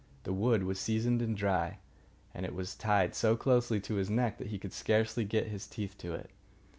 The wood was seasoned and dry, and it was tied so closely to his neck that he could scarcely get his teeth to it.